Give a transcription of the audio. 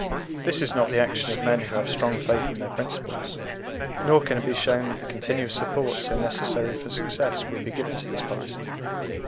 This is not the action of men who have strong faith in their principles. Nor can it be shown that the continuous support so necessary for success will be given to this policy.